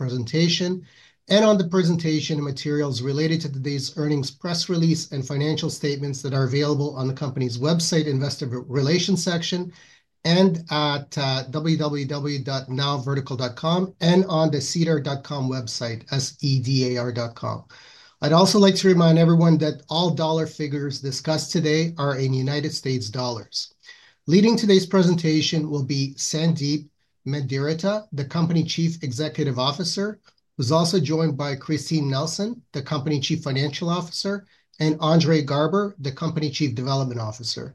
Presentation and on the presentation and materials related to today's earnings press release and financial statements that are available on the company's website investor relations section and at www.nowvertical.com and on the sedar.com website S-E-D-A-R dot com. I'd also like to remind everyone that all dollar figures discussed today are in United States dollars. Leading today's presentation will be Sandeep Mendiratta, the company Chief Executive Officer; who's also joined by Christine Nelson, the company Chief Financial Officer; and Andre Garber, the company Chief Development Officer.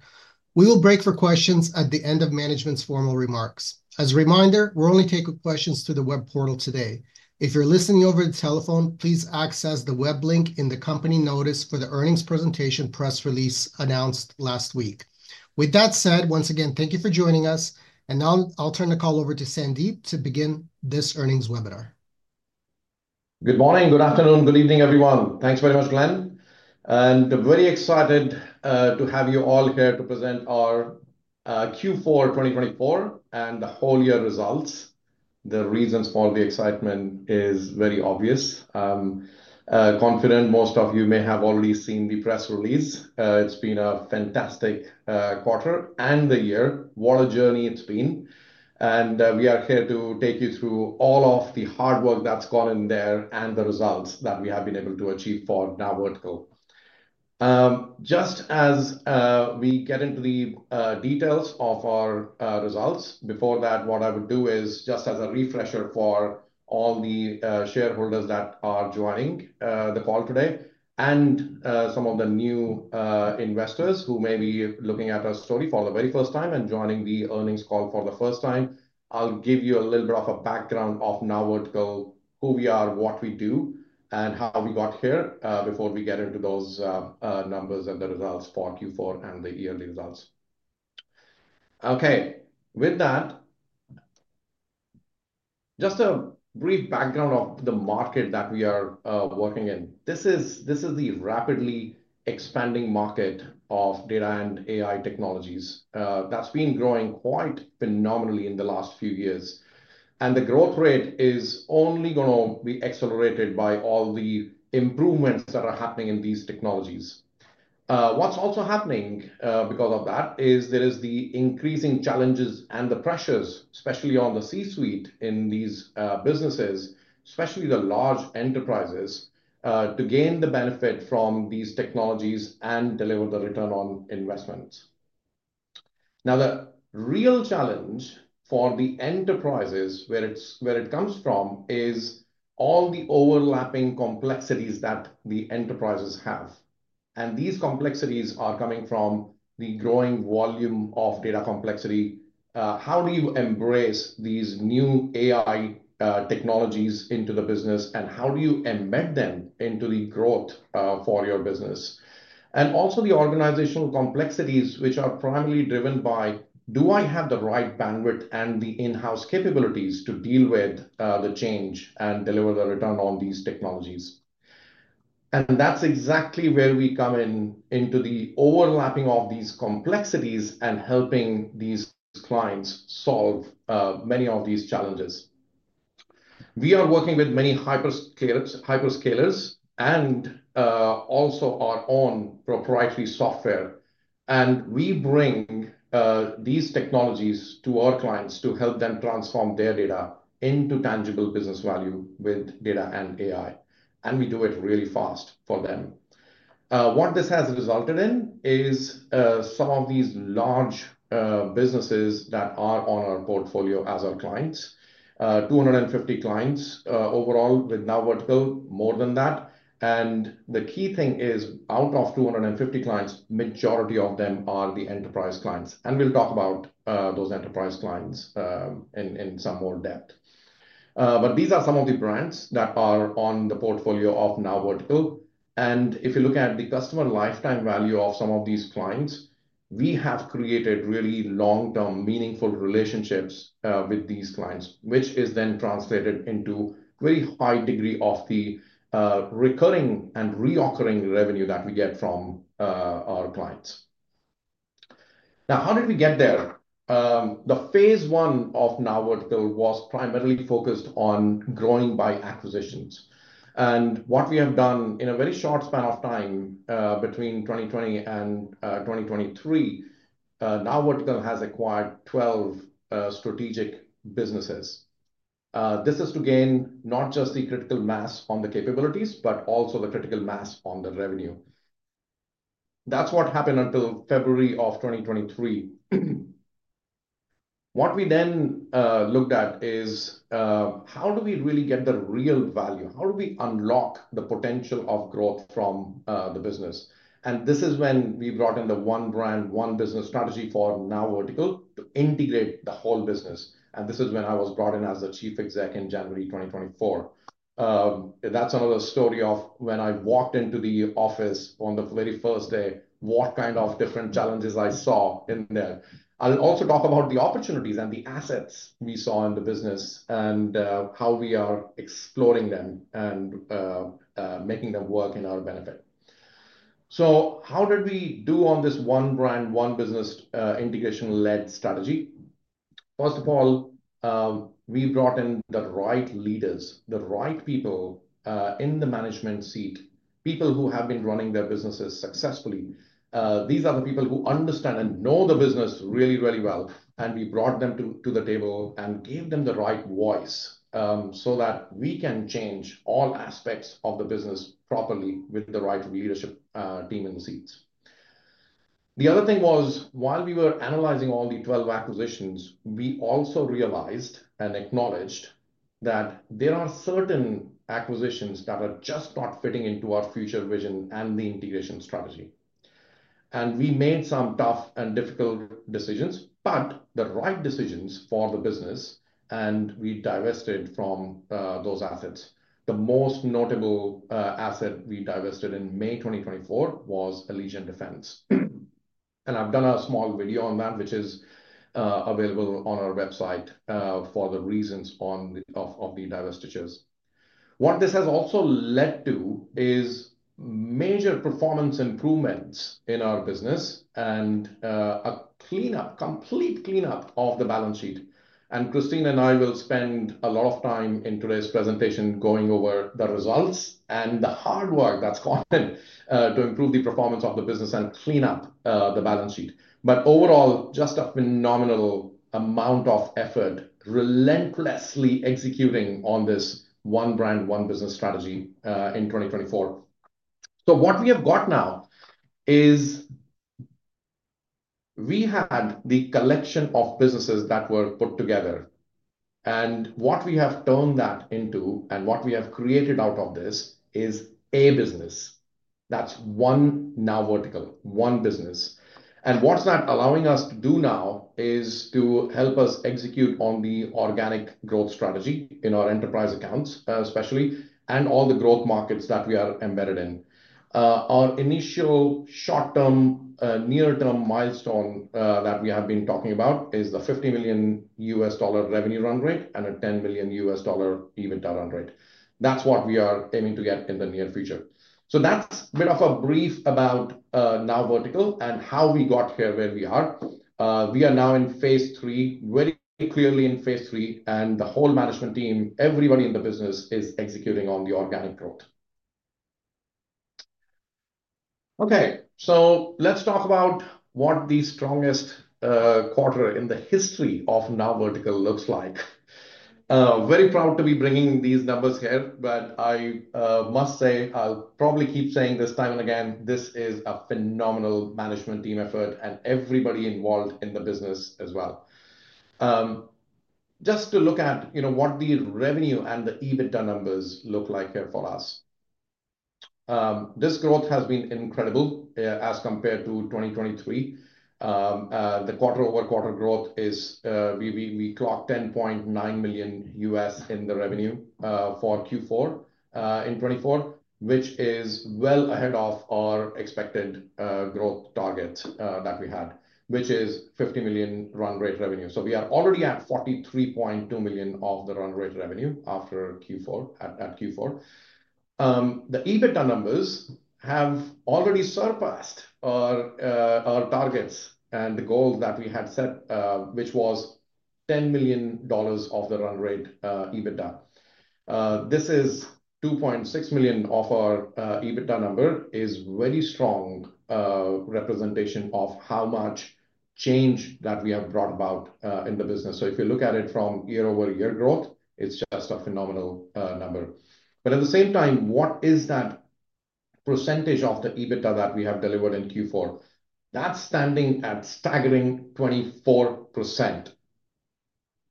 We will break for questions at the end of management's formal remarks. As a reminder, we'll only take questions through the web portal today. If you're listening over the telephone, please access the web link in the company notice for the earnings presentation press release announced last week. With that said, once again, thank you for joining us, and now I'll turn the call over to Sandeep to begin this earnings webinar. Good morning, good afternoon, good evening, everyone. Thanks very much, Glen. Very excited to have you all here to present our Q4 2024 and the whole year results. The reasons for the excitement are very obvious. Confident most of you may have already seen the press release. It's been a fantastic quarter and the year. What a journey it's been. We are here to take you through all of the hard work that's gone in there and the results that we have been able to achieve for NowVertical. Just as we get into the details of our results, before that, what I would do is just as a refresher for all the shareholders that are joining the call today and some of the new investors who may be looking at our story for the very first time and joining the earnings call for the first time, I'll give you a little bit of a background of NowVertical, who we are, what we do, and how we got here before we get into those numbers and the results for Q4 and the yearly results. Okay, with that, just a brief background of the market that we are working in. This is the rapidly expanding market of data and AI technologies that's been growing quite phenomenally in the last few years. The growth rate is only going to be accelerated by all the improvements that are happening in these technologies. What's also happening because of that is there are the increasing challenges and the pressures, especially on the C-suite in these businesses, especially the large enterprises, to gain the benefit from these technologies and deliver the return on investments. The real challenge for the enterprises where it comes from is all the overlapping complexities that the enterprises have. These complexities are coming from the growing volume of data complexity. How do you embrace these new AI technologies into the business, and how do you embed them into the growth for your business? Also, the organizational complexities, which are primarily driven by, do I have the right bandwidth and the in-house capabilities to deal with the change and deliver the return on these technologies? And that's exactly where we come in, into the overlapping of these complexities and helping these clients solve many of these challenges. We are working with many hyperscalers and also our own proprietary software. We bring these technologies to our clients to help them transform their data into tangible business value with data and AI. We do it really fast for them. What this has resulted in is some of these large businesses that are on our portfolio as our clients, 250 clients overall with NowVertical, more than that. The key thing is out of 250 clients, the majority of them are the enterprise clients. We will talk about those enterprise clients in some more depth. These are some of the brands that are on the portfolio of NowVertical. If you look at the customer lifetime value of some of these clients, we have created really long-term meaningful relationships with these clients, which is then translated into a very high degree of the recurring and reoccurring revenue that we get from our clients. Now, how did we get there? The phase I of NowVertical was primarily focused on growing by acquisitions. What we have done in a very short span of time between 2020 and 2023, NowVertical has acquired 12 strategic businesses. This is to gain not just the critical mass on the capabilities, but also the critical mass on the revenue. That is what happened until February of 2023. What we then looked at is how do we really get the real value? How do we unlock the potential of growth from the business? This is when we brought in the one brand, one business strategy for NowVertical to integrate the whole business. This is when I was brought in as the Chief Executive Officer in January 2024. That's another story of when I walked into the office on the very first day, what kind of different challenges I saw in there. I'll also talk about the opportunities and the assets we saw in the business and how we are exploring them and making them work in our benefit. How did we do on this one brand, one business integration-led strategy? First of all, we brought in the right leaders, the right people in the management seat, people who have been running their businesses successfully. These are the people who understand and know the business really, really well. We brought them to the table and gave them the right voice so that we can change all aspects of the business properly with the right leadership team in the seats. The other thing was, while we were analyzing all the 12 acquisitions, we also realized and acknowledged that there are certain acquisitions that are just not fitting into our future vision and the integration strategy. We made some tough and difficult decisions, but the right decisions for the business, and we divested from those assets. The most notable asset we divested in May 2024 was Allegiance Defense. I have done a small video on that, which is available on our website for the reasons of the divestitures. What this has also led to is major performance improvements in our business and a complete cleanup of the balance sheet. Christine and I will spend a lot of time in today's presentation going over the results and the hard work that's gone in to improve the performance of the business and clean up the balance sheet. Overall, just a phenomenal amount of effort relentlessly executing on this one brand, one business strategy in 2024. What we have got now is we had the collection of businesses that were put together. What we have turned that into and what we have created out of this is a business. That's one NowVertical, one business. What's that allowing us to do now is to help us execute on the organic growth strategy in our enterprise accounts, especially, and all the growth markets that we are embedded in. Our initial short-term, near-term milestone that we have been talking about is the $50 million US revenue run rate and a $10 million US EBITDA run rate. That's what we are aiming to get in the near future. That's a bit of a brief about NowVertical and how we got here where we are. We are now in phase III, very clearly in phase III, and the whole management team, everybody in the business is executing on the organic growth. Okay, let's talk about what the strongest quarter in the history of NowVertical looks like. Very proud to be bringing these numbers here, but I must say, I'll probably keep saying this time and again, this is a phenomenal management team effort and everybody involved in the business as well. Just to look at what the revenue and the EBITDA numbers look like here for us. This growth has been incredible as compared to 2023. The quarter-over-quarter growth is we clocked $10.9 million in revenue for Q4 in 2024, which is well ahead of our expected growth targets that we had, which is $50 million run rate revenue. We are already at $43.2 million of the run rate revenue at Q4. The EBITDA numbers have already surpassed our targets and the goal that we had set, which was $10 million of the run rate EBITDA. This is $2.6 million of our EBITDA number, is a very strong representation of how much change that we have brought about in the business. If you look at it from year-over-year growth, it's just a phenomenal number. At the same time, what is that percentage of the EBITDA that we have delivered in Q4? That's standing at a staggering 24%.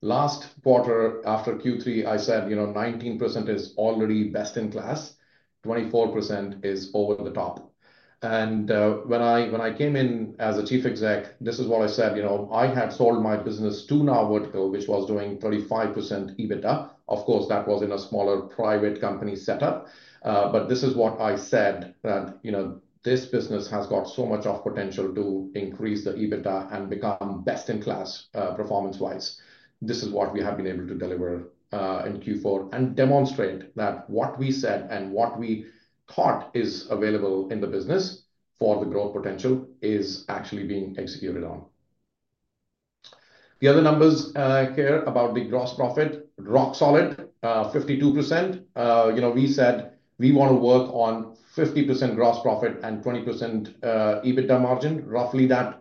Last quarter after Q3, I said, you know, 19% is already best in class. 24% is over the top. When I came in as Chief Executive, this is what I said. You know, I had sold my business to NowVertical, which was doing 35% EBITDA. Of course, that was in a smaller private company setup. This is what I said, that this business has got so much of potential to increase the EBITDA and become best in class performance-wise. This is what we have been able to deliver in Q4 and demonstrate that what we said and what we thought is available in the business for the growth potential is actually being executed on. The other numbers here about the gross profit, rock solid, 52%. You know, we said we want to work on 50% gross profit and 20% EBITDA margin, roughly that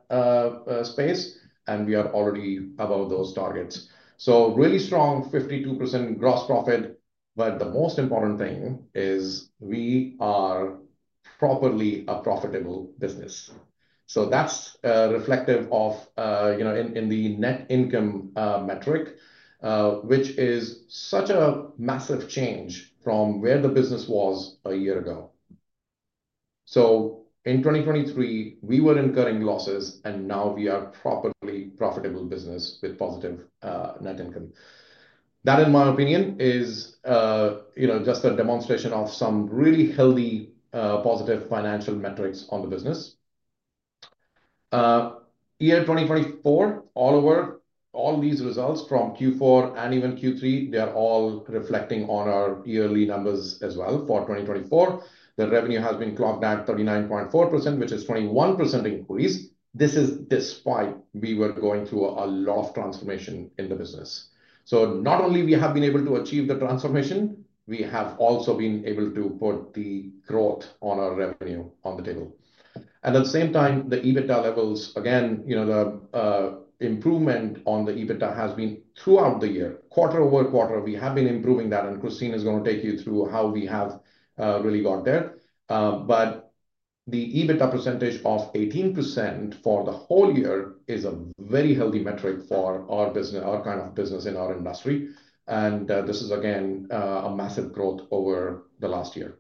space. We are already above those targets. Really strong 52% gross profit. The most important thing is we are properly a profitable business. That is reflective in the net income metric, which is such a massive change from where the business was a year ago. In 2023, we were incurring losses, and now we are a properly profitable business with positive net income. That, in my opinion, is just a demonstration of some really healthy positive financial metrics on the business. Year 2024, all over all these results from Q4 and even Q3, they are all reflecting on our yearly numbers as well for 2024. The revenue has been clocked at 39.4%, which is a 21% increase. This is despite we were going through a lot of transformation in the business. Not only have we been able to achieve the transformation, we have also been able to put the growth on our revenue on the table. At the same time, the EBITDA levels, again, the improvement on the EBITDA has been throughout the year. Quarter over quarter, we have been improving that. Christine is going to take you through how we have really got there. The EBITDA percentage of 18% for the whole year is a very healthy metric for our business, our kind of business in our industry. This is, again, a massive growth over the last year.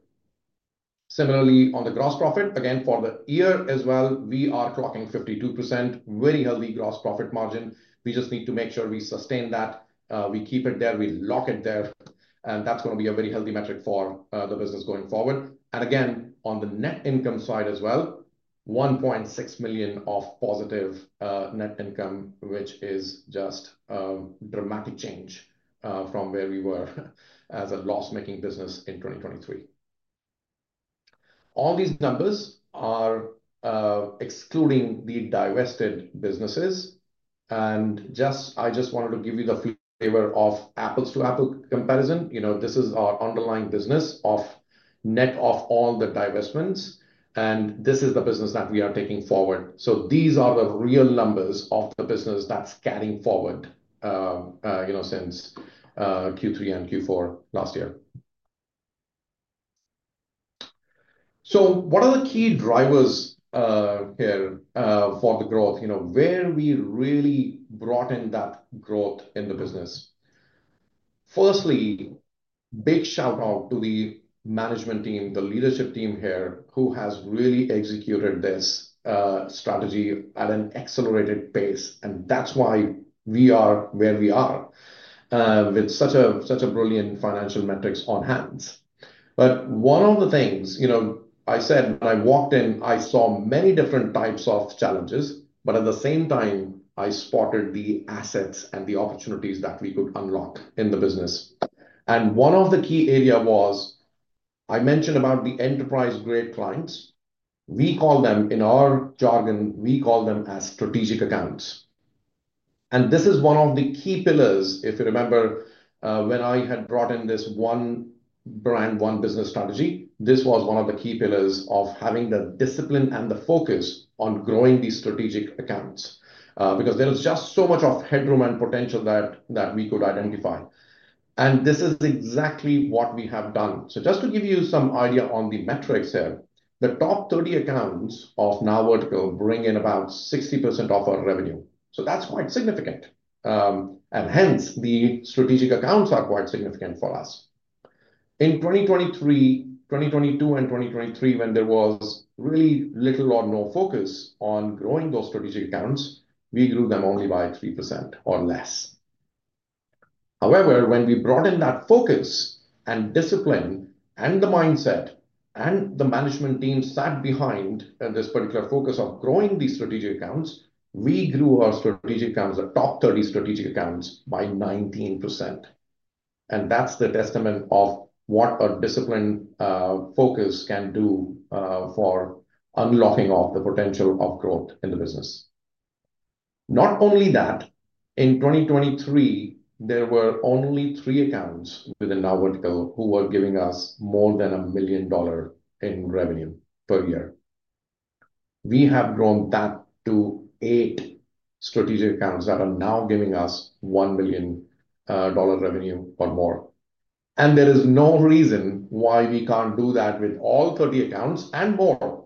Similarly, on the gross profit, again, for the year as well, we are clocking 52%, very healthy gross profit margin. We just need to make sure we sustain that. We keep it there. We lock it there. That is going to be a very healthy metric for the business going forward. Again, on the net income side as well, $1.6 million of positive net income, which is just a dramatic change from where we were as a loss-making business in 2023. All these numbers are excluding the divested businesses. I just wanted to give you the flavor of apples-to-apple comparison. This is our underlying business net of all the divestments. This is the business that we are taking forward. These are the real numbers of the business that is carrying forward since Q3 and Q4 last year. What are the key drivers here for the growth? Where we really brought in that growth in the business. Firstly, big shout-out to the management team, the leadership team here, who has really executed this strategy at an accelerated pace. That is why we are where we are with such brilliant financial metrics on hand. One of the things I said when I walked in, I saw many different types of challenges. At the same time, I spotted the assets and the opportunities that we could unlock in the business. One of the key areas was I mentioned the enterprise-grade clients. We call them in our jargon, we call them strategic accounts. This is one of the key pillars. If you remember when I had brought in this one brand, one business strategy, this was one of the key pillars of having the discipline and the focus on growing these strategic accounts because there was just so much headroom and potential that we could identify. This is exactly what we have done. Just to give you some idea on the metrics here, the top 30 accounts of NowVertical bring in about 60% of our revenue. That is quite significant. Hence, the strategic accounts are quite significant for us. In 2022 and 2023, when there was really little or no focus on growing those strategic accounts, we grew them only by 3% or less. However, when we brought in that focus and discipline and the mindset and the management team sat behind this particular focus of growing these strategic accounts, we grew our strategic accounts, the top 30 strategic accounts, by 19%. That is the testament of what our discipline focus can do for unlocking the potential of growth in the business. Not only that, in 2023, there were only three accounts within NowVertical who were giving us more than $1 million in revenue per year. We have grown that to eight strategic accounts that are now giving us $1 million revenue or more. There is no reason why we can't do that with all 30 accounts and more.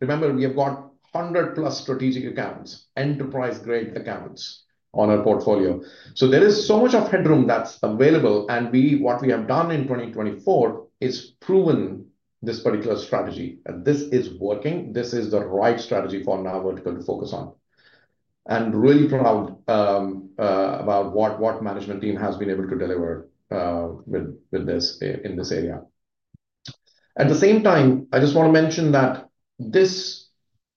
Remember, we have got 100 plus strategic accounts, enterprise-grade accounts on our portfolio. There is so much of headroom that's available. What we have done in 2024 is proven this particular strategy. This is working. This is the right strategy for NowVertical to focus on. I am really proud about what management team has been able to deliver with this in this area. At the same time, I just want to mention that this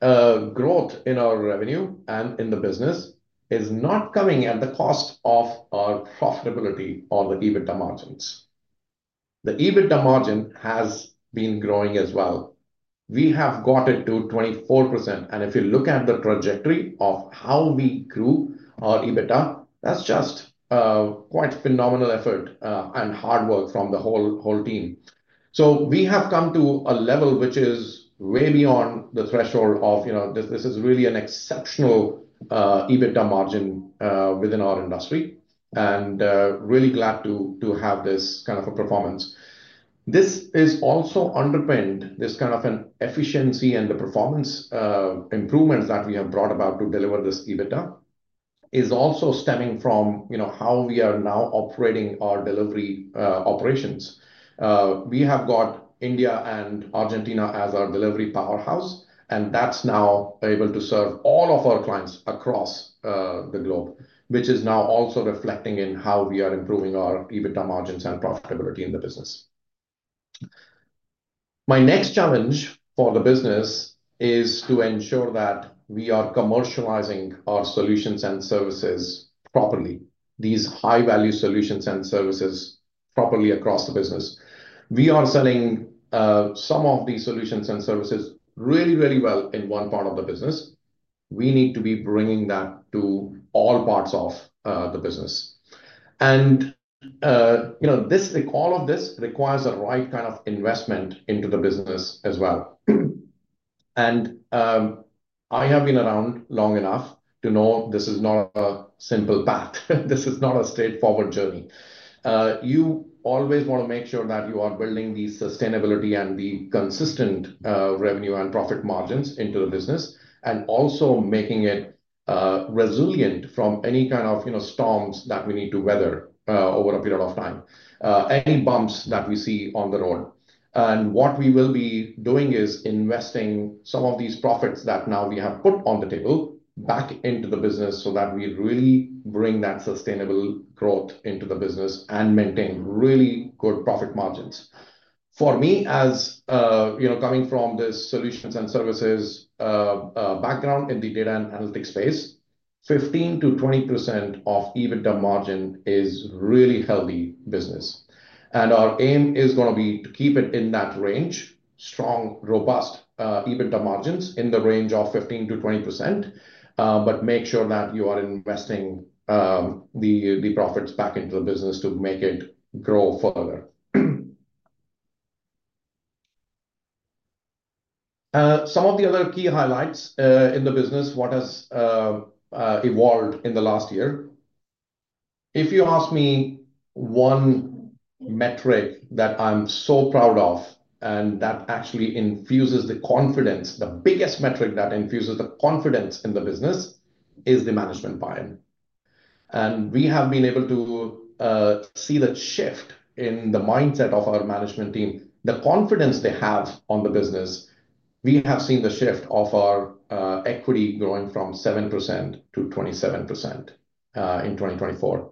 growth in our revenue and in the business is not coming at the cost of our profitability on the EBITDA margins. The EBITDA margin has been growing as well. We have got it to 24%. If you look at the trajectory of how we grew our EBITDA, that's just quite a phenomenal effort and hard work from the whole team. We have come to a level which is way beyond the threshold of this is really an exceptional EBITDA margin within our industry. Really glad to have this kind of a performance. This is also underpinned, this kind of an efficiency and the performance improvements that we have brought about to deliver this EBITDA is also stemming from how we are now operating our delivery operations. We have got India and Argentina as our delivery powerhouse. That's now able to serve all of our clients across the globe, which is now also reflecting in how we are improving our EBITDA margins and profitability in the business. My next challenge for the business is to ensure that we are commercializing our solutions and services properly, these high-value solutions and services properly across the business. We are selling some of these solutions and services really, really well in one part of the business. We need to be bringing that to all parts of the business. All of this requires the right kind of investment into the business as well. I have been around long enough to know this is not a simple path. This is not a straightforward journey. You always want to make sure that you are building the sustainability and the consistent revenue and profit margins into the business and also making it resilient from any kind of storms that we need to weather over a period of time, any bumps that we see on the road. What we will be doing is investing some of these profits that now we have put on the table back into the business so that we really bring that sustainable growth into the business and maintain really good profit margins. For me, as coming from this solutions and services background in the data and analytics space, 15%-20% of EBITDA margin is really healthy business. Our aim is going to be to keep it in that range, strong, robust EBITDA margins in the range of 15%-20%, but make sure that you are investing the profits back into the business to make it grow further. Some of the other key highlights in the business, what has evolved in the last year. If you ask me one metric that I'm so proud of and that actually infuses the confidence, the biggest metric that infuses the confidence in the business is the management buy-in. We have been able to see the shift in the mindset of our management team, the confidence they have on the business. We have seen the shift of our equity growing from 7% to 27% in 2024.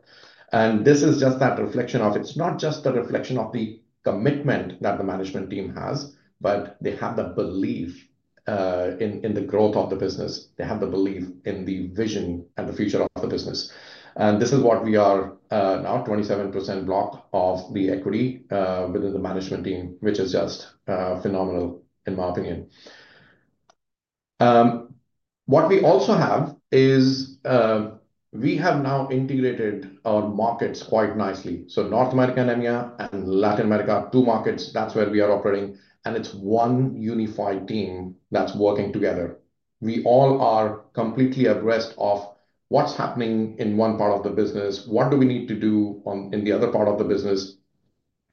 This is just that reflection of it's not just the reflection of the commitment that the management team has, but they have the belief in the growth of the business. They have the belief in the vision and the future of the business. This is what we are now, 27% block of the equity within the management team, which is just phenomenal in my opinion. What we also have is we have now integrated our markets quite nicely. North America and EMEA and Latin America, two markets, that's where we are operating. It is one unified team that's working together. We all are completely abreast of what's happening in one part of the business, what do we need to do in the other part of the business,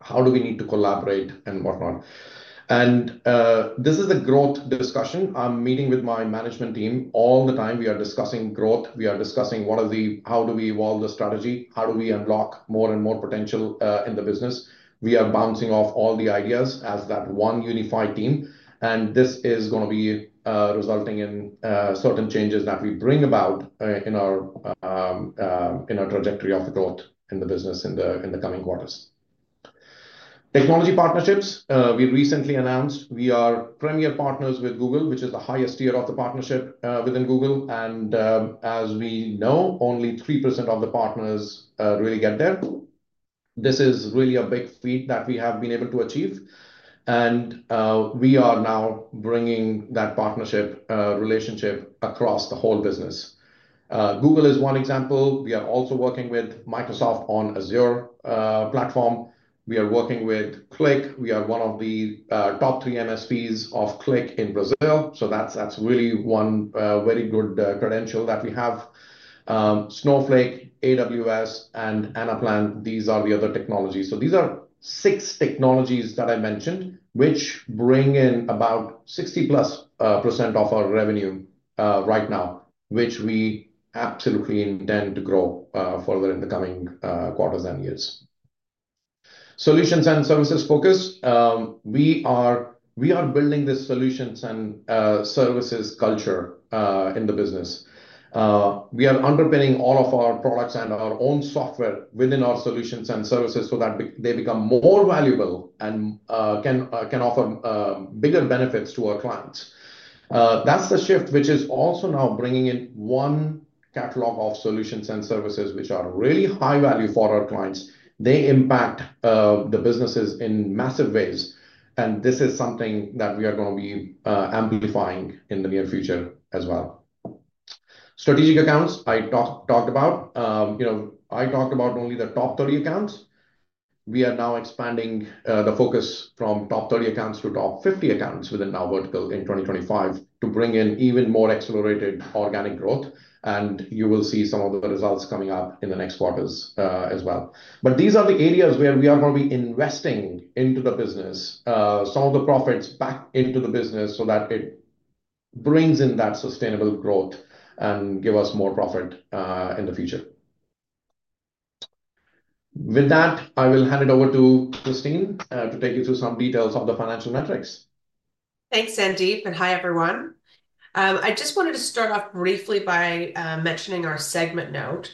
how do we need to collaborate, and whatnot. This is a growth discussion. I'm meeting with my management team all the time. We are discussing growth. We are discussing what are the how do we evolve the strategy, how do we unlock more and more potential in the business. We are bouncing off all the ideas as that one unified team. This is going to be resulting in certain changes that we bring about in our trajectory of growth in the business in the coming quarters. Technology partnerships, we recently announced we are Premier Partners with Google, which is the highest tier of the partnership within Google. As we know, only 3% of the partners really get there. This is really a big feat that we have been able to achieve. We are now bringing that partnership relationship across the whole business. Google is one example. We are also working with Microsoft on Azure platform. We are working with Qlik. We are one of the top three MSPs of Qlik in Brazil. That is really one very good credential that we have. Snowflake, AWS, and Anaplan, these are the other technologies. These are six technologies that I mentioned, which bring in about 60%+ of our revenue right now, which we absolutely intend to grow further in the coming quarters and years. Solutions and services focus, we are building this solutions and services culture in the business. We are underpinning all of our products and our own software within our solutions and services so that they become more valuable and can offer bigger benefits to our clients. That is the shift which is also now bringing in one catalog of solutions and services which are really high value for our clients. They impact the businesses in massive ways. This is something that we are going to be amplifying in the near future as well. Strategic accounts, I talked about. I talked about only the top 30 accounts. We are now expanding the focus from top 30 accounts to top 50 accounts within NowVertical in 2025 to bring in even more accelerated organic growth. You will see some of the results coming up in the next quarters as well. These are the areas where we are going to be investing into the business, some of the profits back into the business so that it brings in that sustainable growth and gives us more profit in the future. With that, I will hand it over to Christine to take you through some details of the financial metrics. Thanks, Sandeep. Hi, everyone. I just wanted to start off briefly by mentioning our segment note,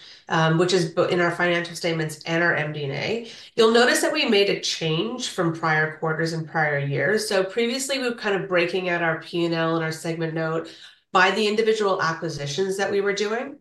which is in our financial statements and our MD&A. You'll notice that we made a change from prior quarters and prior years. Previously, we were kind of breaking out our P&L and our segment note by the individual acquisitions that we were doing.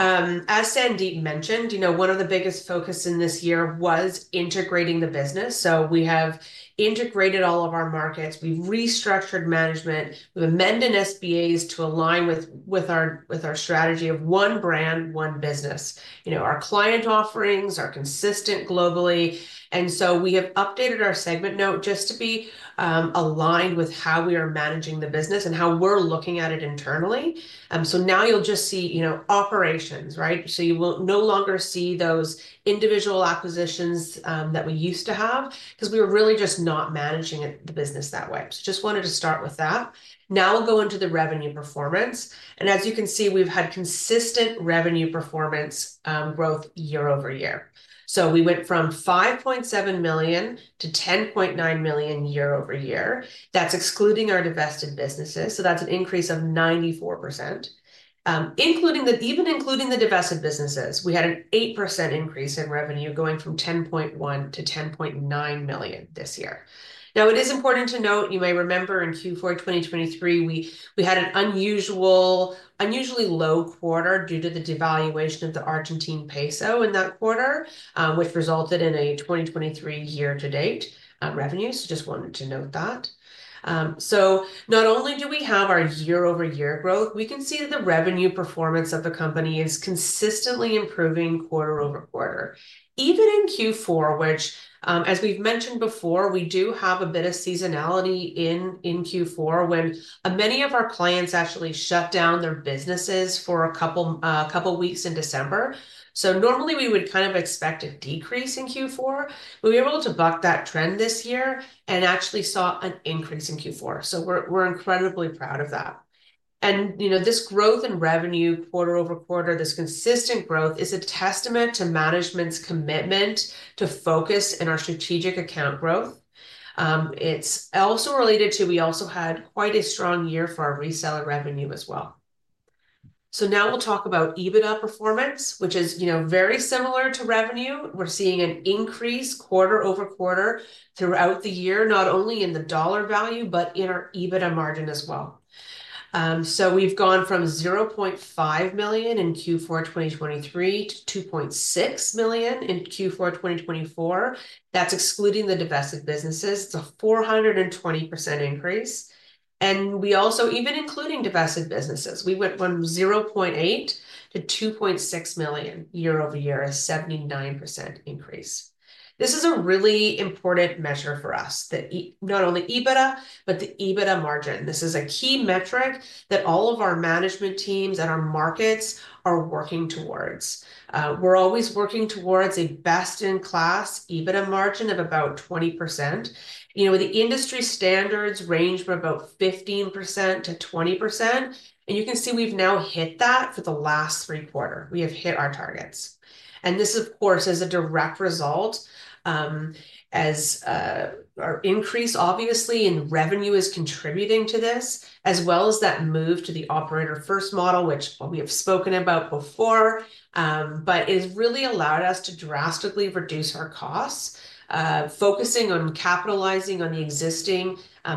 As Sandeep mentioned, one of the biggest focuses in this year was integrating the business. We have integrated all of our markets. We've restructured management. We've amended SPAs to align with our strategy of one brand, one business. Our client offerings are consistent globally. We have updated our segment note just to be aligned with how we are managing the business and how we're looking at it internally. Now you'll just see operations, right? You will no longer see those individual acquisitions that we used to have because we were really just not managing the business that way. Just wanted to start with that. Now we'll go into the revenue performance. As you can see, we've had consistent revenue performance growth year over year. We went from $5.7 million to $10.9 million year over year. That's excluding our divested businesses. That's an increase of 94%. Including the divested businesses, we had an 8% increase in revenue going from $10.1 million to $10.9 million this year. Now, it is important to note, you may remember in Q4 2023, we had an unusually low quarter due to the devaluation of the Argentine peso in that quarter, which resulted in a 2023 year-to-date revenue. Just wanted to note that. Not only do we have our year-over-year growth, we can see that the revenue performance of the company is consistently improving quarter over quarter. Even in Q4, which, as we've mentioned before, we do have a bit of seasonality in Q4 when many of our clients actually shut down their businesses for a couple of weeks in December. Normally, we would kind of expect a decrease in Q4. We were able to buck that trend this year and actually saw an increase in Q4. We're incredibly proud of that. This growth in revenue quarter over quarter, this consistent growth is a testament to management's commitment to focus in our strategic account growth. It's also related to we also had quite a strong year for our reseller revenue as well. Now we'll talk about EBITDA performance, which is very similar to revenue. We're seeing an increase quarter over quarter throughout the year, not only in the dollar value, but in our EBITDA margin as well. We've gone from $500,000 in Q4 2023 to $2,600,000 in Q4 2024. That's excluding the divested businesses. It's a 420% increase. We also, even including divested businesses, went from $800,000 to $2,600,000 year over year, a 79% increase. This is a really important measure for us, not only EBITDA, but the EBITDA margin. This is a key metric that all of our management teams and our markets are working towards. We're always working towards a best-in-class EBITDA margin of about 20%. The industry standards range from about 15%-20%. You can see we've now hit that for the last three quarters. We have hit our targets. This, of course, is a direct result as our increase, obviously, in revenue is contributing to this, as well as that move to the operator-first model, which we have spoken about before. It has really allowed us to drastically reduce our costs, focusing on capitalizing on the existing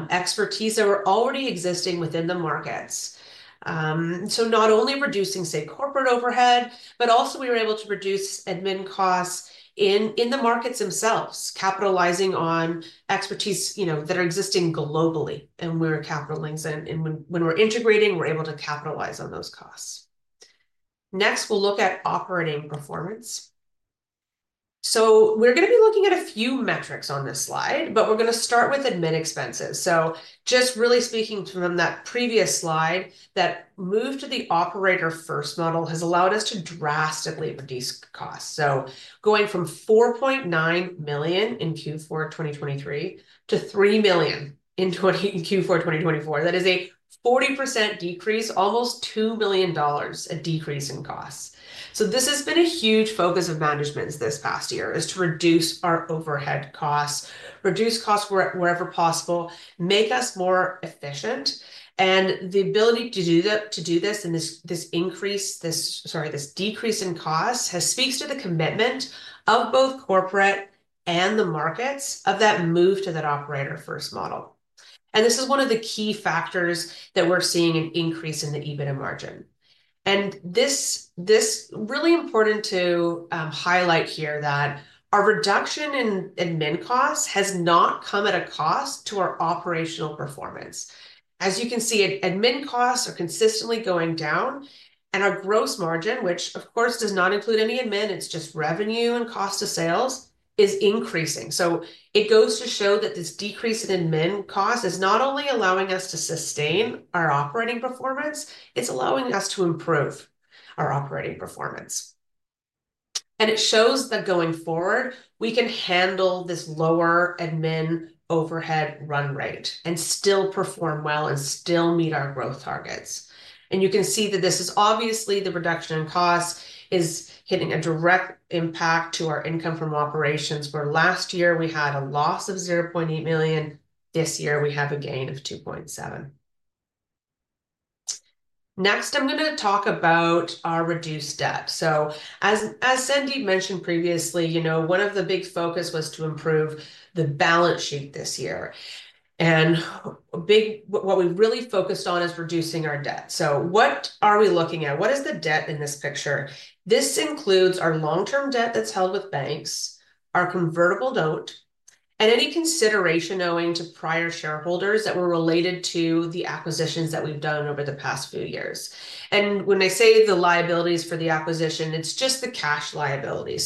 expertise that were already existing within the markets. Not only reducing, say, corporate overhead, but also we were able to reduce admin costs in the markets themselves, capitalizing on expertise that are existing globally. We're capital links. When we're integrating, we're able to capitalize on those costs. Next, we'll look at operating performance. We're going to be looking at a few metrics on this slide, but we're going to start with admin expenses. Just really speaking from that previous slide, that move to the operator-first model has allowed us to drastically reduce costs. Going from $4.9 million in Q4 2023 to $3 million in Q4 2024, that is a 40% decrease, almost $2 million a decrease in costs. This has been a huge focus of management this past year to reduce our overhead costs, reduce costs wherever possible, make us more efficient. The ability to do this and this decrease in costs speaks to the commitment of both corporate and the markets of that move to that operator-first model. This is one of the key factors that we're seeing an increase in the EBITDA margin. This is really important to highlight here that our reduction in admin costs has not come at a cost to our operational performance. As you can see, admin costs are consistently going down. Our gross margin, which, of course, does not include any admin, it's just revenue and cost of sales, is increasing. It goes to show that this decrease in admin costs is not only allowing us to sustain our operating performance, it's allowing us to improve our operating performance. It shows that going forward, we can handle this lower admin overhead run rate and still perform well and still meet our growth targets. You can see that this is obviously the reduction in costs is hitting a direct impact to our income from operations, where last year we had a loss of $800,000. This year, we have a gain of $2.7 million. Next, I am going to talk about our reduced debt. As Sandeep mentioned previously, one of the big focuses was to improve the balance sheet this year. What we have really focused on is reducing our debt. What are we looking at? What is the debt in this picture? This includes our long-term debt that is held with banks, our convertible note, and any consideration owing to prior shareholders that were related to the acquisitions that we have done over the past few years. When I say the liabilities for the acquisition, it is just the cash liability.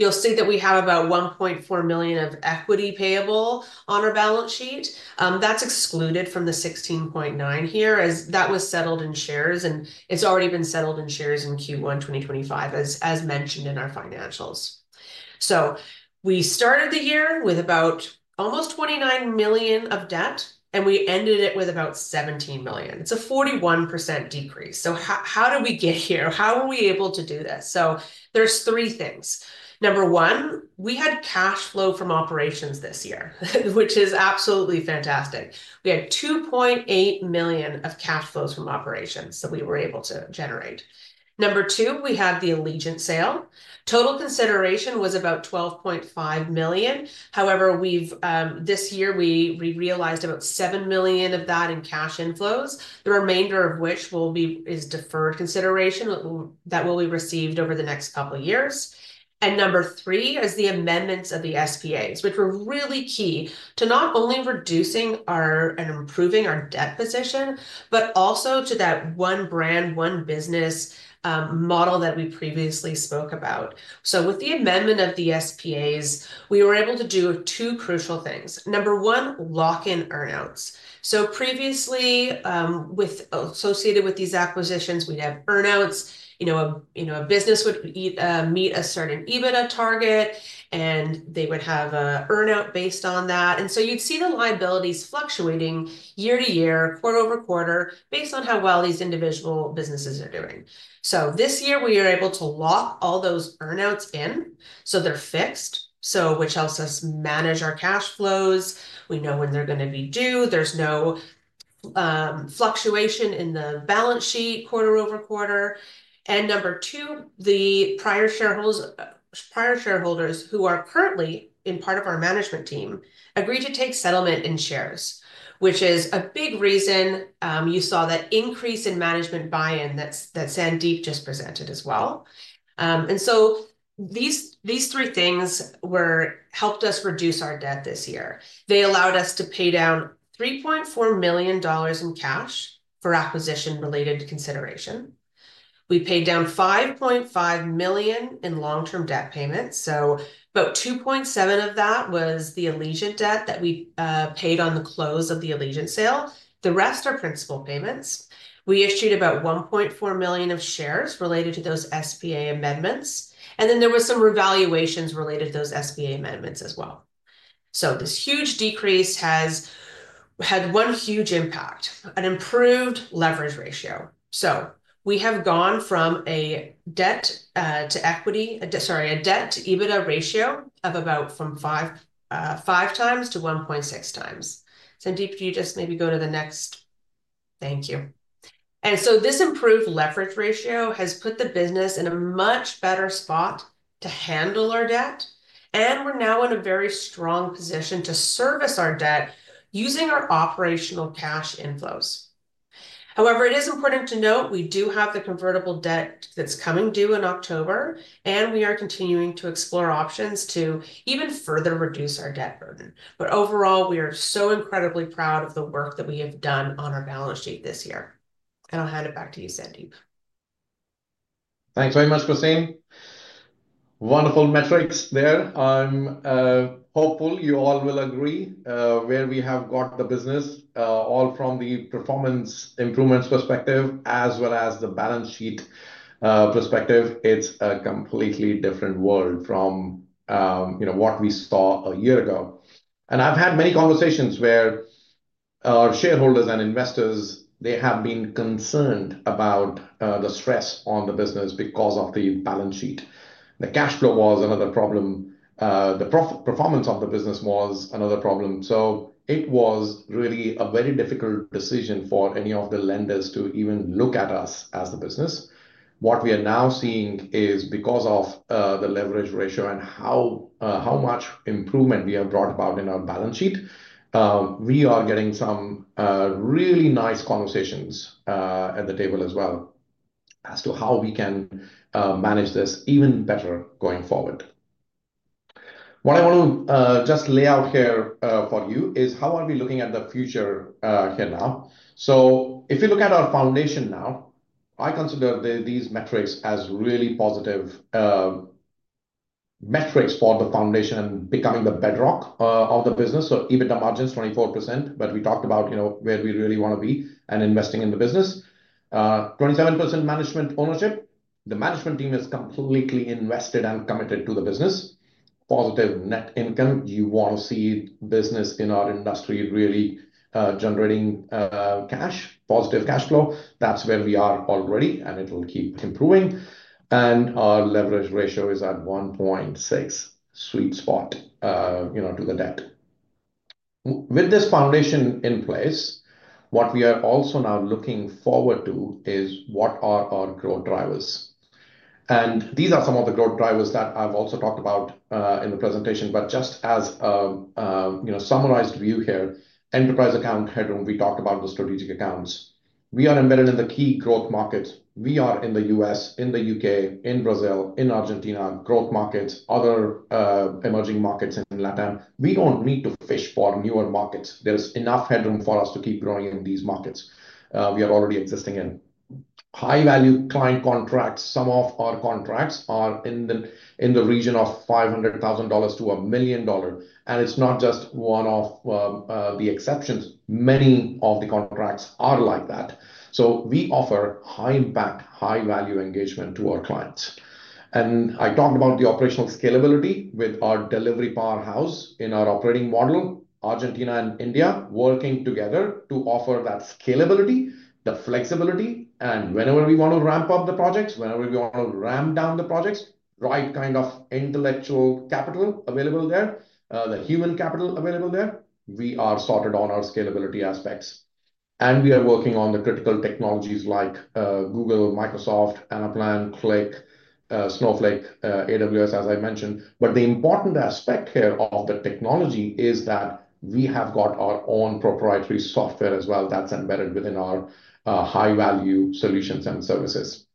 You'll see that we have about $1.4 million of equity payable on our balance sheet. That's excluded from the $16.9 million here as that was settled in shares. It's already been settled in shares in Q1 2025, as mentioned in our financials. We started the year with about almost $29 million of debt, and we ended it with about $17 million. It's a 41% decrease. How did we get here? How were we able to do this? There are three things. Number one, we had cash flow from operations this year, which is absolutely fantastic. We had $2.8 million of cash flows from operations that we were able to generate. Number two, we had the Allegiance Defense sale. Total consideration was about $12.5 million. However, this year, we realized about $7 million of that in cash inflows, the remainder of which will be deferred consideration that will be received over the next couple of years. Number three is the amendments of the SPAs, which were really key to not only reducing and improving our debt position, but also to that one brand, one business model that we previously spoke about. With the amendment of the SPAs, we were able to do two crucial things. Number one, lock-in earnouts. Previously, associated with these acquisitions, we'd have earnouts. A business would meet a certain EBITDA target, and they would have an earnout based on that. You'd see the liabilities fluctuating year to year, quarter over quarter, based on how well these individual businesses are doing. This year, we are able to lock all those earnouts in so they're fixed, which helps us manage our cash flows. We know when they're going to be due. There's no fluctuation in the balance sheet quarter over quarter. Number two, the prior shareholders who are currently in part of our management team agreed to take settlement in shares, which is a big reason you saw that increase in management buy-in that Sandeep just presented as well. These three things helped us reduce our debt this year. They allowed us to pay down $3.4 million in cash for acquisition-related consideration. We paid down $5.5 million in long-term debt payments. About $2.7 million of that was the Allegiance Defense debt that we paid on the close of the Allegiance Defense sale. The rest are principal payments. We issued about 1.4 million shares related to those SPA amendments. There were some revaluations related to those SPA amendments as well. This huge decrease had one huge impact, an improved leverage ratio. We have gone from a debt to EBITDA ratio of about 5 times to 1.6 times. Sandeep, can you just maybe go to the next? Thank you. This improved leverage ratio has put the business in a much better spot to handle our debt. We are now in a very strong position to service our debt using our operational cash inflows. However, it is important to note we do have the convertible debt that is coming due in October, and we are continuing to explore options to even further reduce our debt burden. Overall, we are so incredibly proud of the work that we have done on our balance sheet this year. I'll hand it back to you, Sandeep. Thanks very much, Christine. Wonderful metrics there. I'm hopeful you all will agree where we have got the business, all from the performance improvements perspective as well as the balance sheet perspective. It's a completely different world from what we saw a year ago. I've had many conversations where our shareholders and investors, they have been concerned about the stress on the business because of the balance sheet. The cash flow was another problem. The performance of the business was another problem. It was really a very difficult decision for any of the lenders to even look at us as a business. What we are now seeing is because of the leverage ratio and how much improvement we have brought about in our balance sheet, we are getting some really nice conversations at the table as well as to how we can manage this even better going forward. What I want to just lay out here for you is how are we looking at the future here now. If you look at our foundation now, I consider these metrics as really positive metrics for the foundation and becoming the bedrock of the business. EBITDA margin is 24%, but we talked about where we really want to be and investing in the business. 27% management ownership. The management team is completely invested and committed to the business. Positive net income. You want to see business in our industry really generating cash, positive cash flow. That's where we are already, and it will keep improving. Our leverage ratio is at 1.6, sweet spot to the debt. With this foundation in place, what we are also now looking forward to is what are our growth drivers. These are some of the growth drivers that I've also talked about in the presentation. Just as a summarized view here, enterprise account headroom, we talked about the strategic accounts. We are embedded in the key growth markets. We are in the U.S., in the U.K., in Brazil, in Argentina, growth markets, other emerging markets in Latin America. We don't need to fish for newer markets. There's enough headroom for us to keep growing in these markets. We are already existing in high-value client contracts. Some of our contracts are in the region of $500,000-$1 million. It's not just one of the exceptions. Many of the contracts are like that. We offer high-impact, high-value engagement to our clients. I talked about the operational scalability with our delivery powerhouse in our operating model, Argentina and India, working together to offer that scalability, the flexibility. Whenever we want to ramp up the projects, whenever we want to ramp down the projects, the right kind of intellectual capital available there, the human capital available there, we are sorted on our scalability aspects. We are working on the critical technologies like Google, Microsoft, Anaplan, Qlik, Snowflake, AWS, as I mentioned. The important aspect here of the technology is that we have got our own proprietary software as well that's embedded within our high-value solutions and services.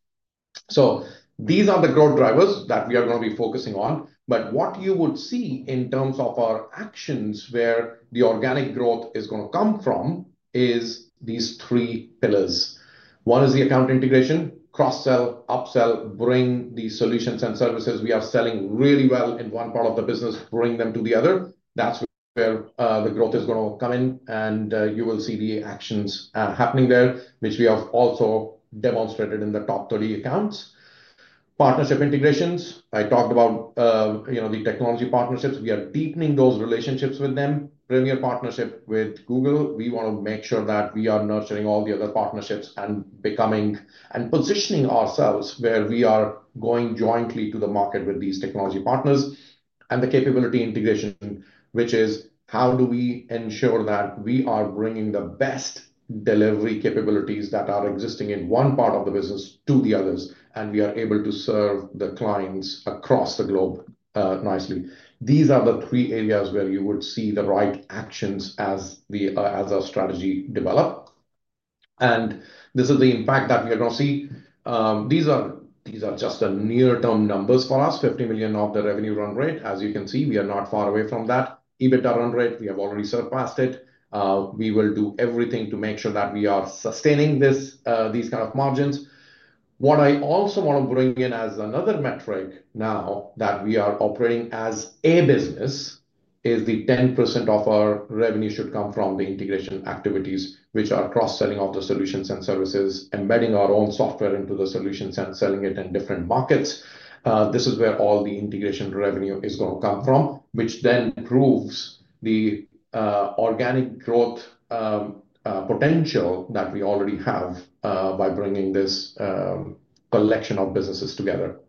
These are the growth drivers that we are going to be focusing on. What you would see in terms of our actions where the organic growth is going to come from is these three pillars. One is the account integration, cross-sell, upsell, bring the solutions and services we are selling really well in one part of the business, bring them to the other. That's where the growth is going to come in. You will see the actions happening there, which we have also demonstrated in the top 30 accounts. Partnership integrations. I talked about the technology partnerships. We are deepening those relationships with them. Premier partnership with Google. We want to make sure that we are nurturing all the other partnerships and positioning ourselves where we are going jointly to the market with these technology partners. The capability integration, which is how do we ensure that we are bringing the best delivery capabilities that are existing in one part of the business to the others, and we are able to serve the clients across the globe nicely. These are the three areas where you would see the right actions as our strategy develops. This is the impact that we are going to see. These are just near-term numbers for us, $50 million of the revenue run rate. As you can see, we are not far away from that EBITDA run rate. We have already surpassed it. We will do everything to make sure that we are sustaining these kind of margins. What I also want to bring in as another metric now that we are operating as a business is the 10% of our revenue should come from the integration activities, which are cross-selling of the solutions and services, embedding our own software into the solutions and selling it in different markets. This is where all the integration revenue is going to come from, which then proves the organic growth potential that we already have by bringing this collection of businesses together.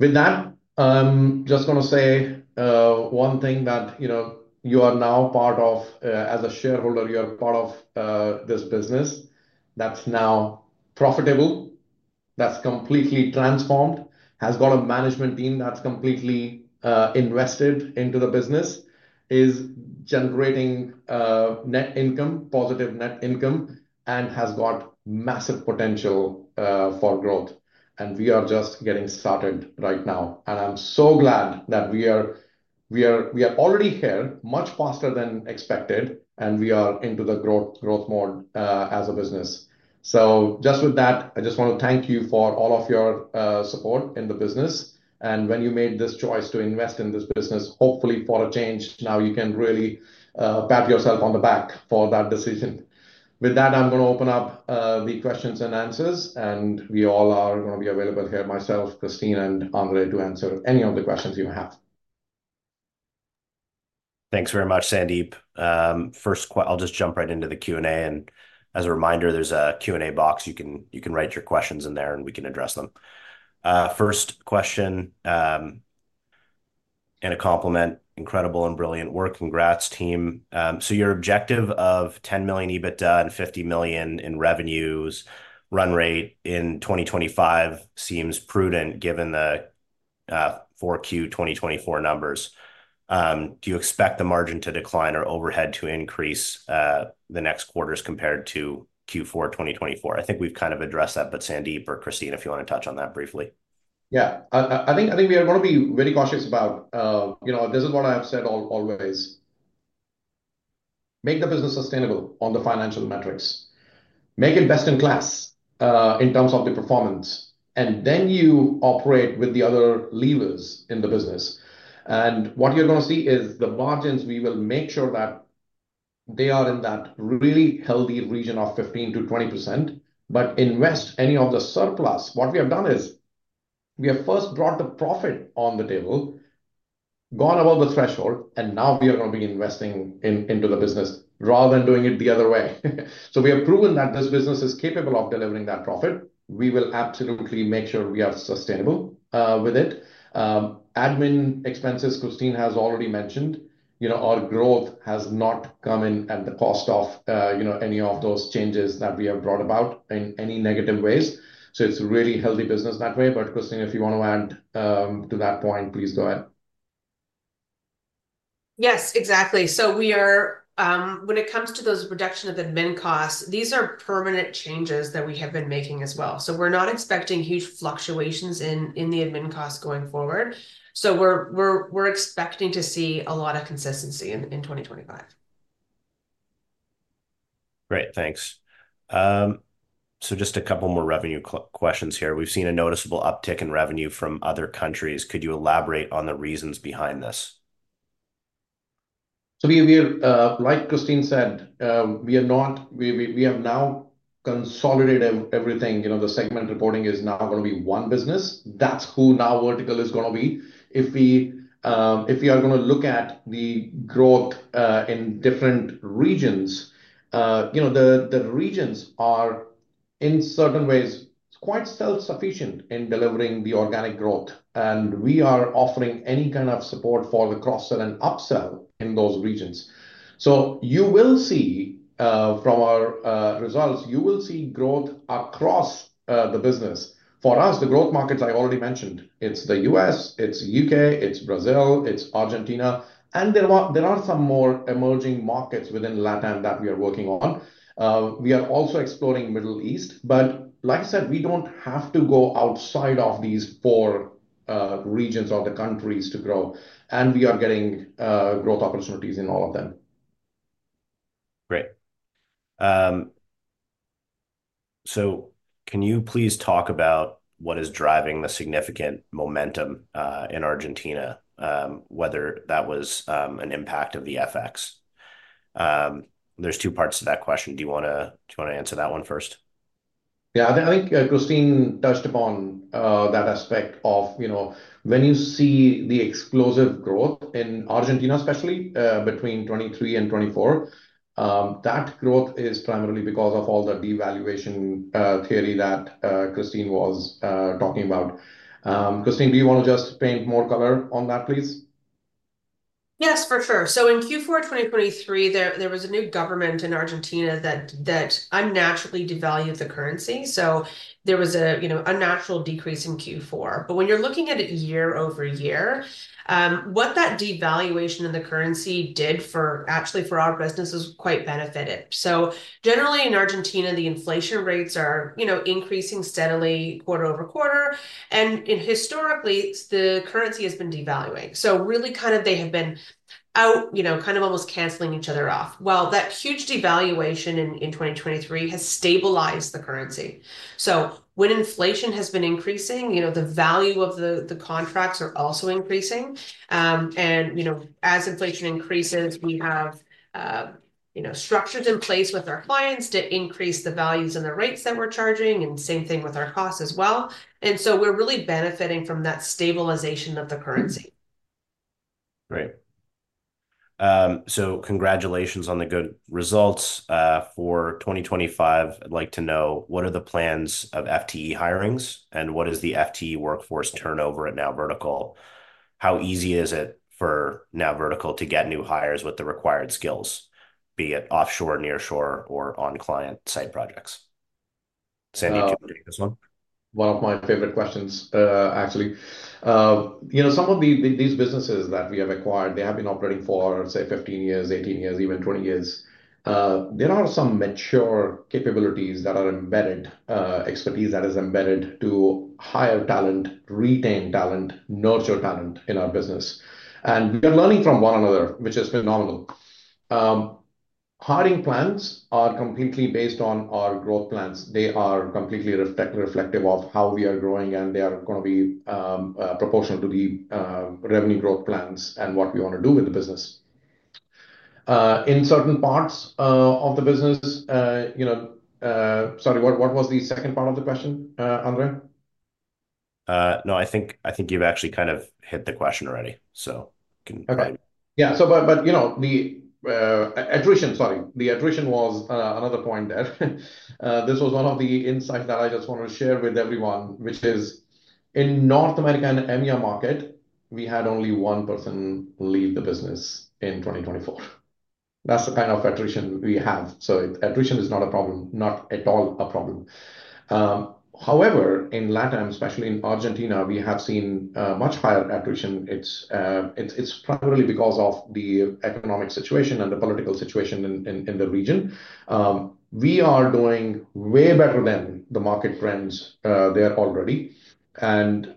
With that, I am just going to say one thing that you are now part of as a shareholder, you are part of this business that is now profitable, that is completely transformed, has got a management team that is completely invested into the business, is generating net income, positive net income, and has got massive potential for growth. We are just getting started right now. I'm so glad that we are already here much faster than expected, and we are into the growth mode as a business. Just with that, I want to thank you for all of your support in the business. When you made this choice to invest in this business, hopefully for a change, now you can really pat yourself on the back for that decision. With that, I'm going to open up the questions and answers, and we all are going to be available here, myself, Christine, and Andre to answer any of the questions you have. Thanks very much, Sandeep. First, I'll just jump right into the Q&A. As a reminder, there's a Q&A box. You can write your questions in there, and we can address them. First question and a compliment. Incredible and brilliant work. Congrats, team. Your objective of $10 million EBITDA and $50 million in revenues run rate in 2025 seems prudent given the Q4 2024 numbers. Do you expect the margin to decline or overhead to increase the next quarters compared to Q4 2024? I think we've kind of addressed that, but Sandeep or Christine, if you want to touch on that briefly. Yeah, I think we are going to be very cautious about this is what I have said always. Make the business sustainable on the financial metrics. Make it best in class in terms of the performance. You operate with the other levers in the business. What you're going to see is the margins. We will make sure that they are in that really healthy region of 15%-20%, but invest any of the surplus. What we have done is we have first brought the profit on the table, gone above the threshold, and now we are going to be investing into the business rather than doing it the other way. We have proven that this business is capable of delivering that profit. We will absolutely make sure we are sustainable with it. Admin expenses, Christine has already mentioned. Our growth has not come in at the cost of any of those changes that we have brought about in any negative ways. It is a really healthy business that way. Christine, if you want to add to that point, please go ahead. Yes, exactly. When it comes to those reductions of admin costs, these are permanent changes that we have been making as well. We are not expecting huge fluctuations in the admin costs going forward. We're expecting to see a lot of consistency in 2025. Great. Thanks. Just a couple more revenue questions here. We've seen a noticeable uptick in revenue from other countries. Could you elaborate on the reasons behind this? Like Christine said, we have now consolidated everything. The segment reporting is now going to be one business. That's who NowVertical is going to be. If we are going to look at the growth in different regions, the regions are in certain ways quite self-sufficient in delivering the organic growth. We are offering any kind of support for the cross-sell and upsell in those regions. You will see from our results, you will see growth across the business. For us, the growth markets I already mentioned. It's the U.S., it's the U.K., it's Brazil, it's Argentina. There are some more emerging markets within LatAm that we are working on. We are also exploring the Middle East. Like I said, we do not have to go outside of these four regions or the countries to grow. We are getting growth opportunities in all of them. Great. Can you please talk about what is driving the significant momentum in Argentina, whether that was an impact of the FX? There are two parts to that question. Do you want to answer that one first? I think Christine touched upon that aspect of when you see the explosive growth in Argentina, especially between 2023 and 2024, that growth is primarily because of all the devaluation theory that Christine was talking about. Christine, do you want to just paint more color on that, please? Yes, for sure. In Q4 2023, there was a new government in Argentina that unnaturally devalued the currency. There was an unnatural decrease in Q4. When you're looking at it year over year, what that devaluation in the currency did actually for our business is quite benefited. Generally in Argentina, the inflation rates are increasing steadily quarter over quarter. Historically, the currency has been devaluing. They have been out kind of almost canceling each other off. That huge devaluation in 2023 has stabilized the currency. When inflation has been increasing, the value of the contracts are also increasing. As inflation increases, we have structures in place with our clients to increase the values and the rates that we're charging, and same thing with our costs as well. We're really benefiting from that stabilization of the currency. Great. Congratulations on the good results for 2025. I'd like to know what are the plans of FTE hirings and what is the FTE workforce turnover at NowVertical? How easy is it for NowVertical to get new hires with the required skills, be it offshore, nearshore, or on-client site projects? Sandeep, could you take this one? One of my favorite questions, actually. Some of these businesses that we have acquired, they have been operating for, say, 15 years, 18 years, even 20 years. There are some mature capabilities that are embedded, expertise that is embedded to hire talent, retain talent, nurture talent in our business. I mean, we are learning from one another, which is phenomenal. Hiring plans are completely based on our growth plans. They are completely reflective of how we are growing, and they are going to be proportional to the revenue growth plans and what we want to do with the business. In certain parts of the business, sorry, what was the second part of the question, Andre? No, I think you've actually kind of hit the question already, so I can go ahead. Yeah, but the attrition, sorry, the attrition was another point there. This was one of the insights that I just wanted to share with everyone, which is in North America and EMEA market, we had only one person leave the business in 2024. That's the kind of attrition we have. So attrition is not a problem, not at all a problem. However, in LatAm, especially in Argentina, we have seen much higher attrition. It's primarily because of the economic situation and the political situation in the region. We are doing way better than the market trends there already.